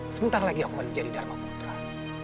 sementara lagi aku akan menjadi dharma putra